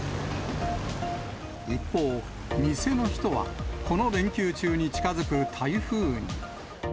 一方、店の人は、この連休中に近づく台風に。